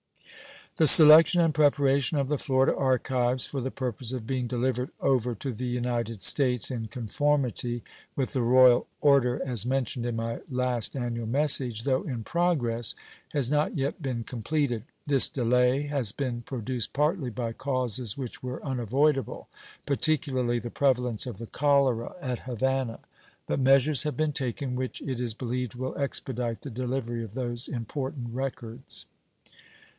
The selection and preparation of the Florida archives for the purpose of being delivered over to the United States, in conformity with the royal order as mentioned in my last annual message, though in progress, has not yet been completed. This delay has been produced partly by causes which were unavoidable, particularly the prevalence of the cholera at Havana; but measures have been taken which it is believed will expedite the delivery of those important records.